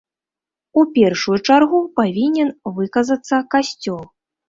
У першую чаргу павінен выказацца касцёл.